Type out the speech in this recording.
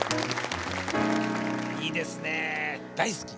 いいですね大好き！